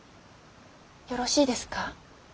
よろしいですか。